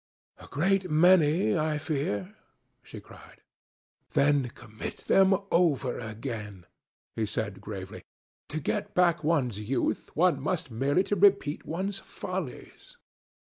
"A great many, I fear," she cried. "Then commit them over again," he said gravely. "To get back one's youth, one has merely to repeat one's follies."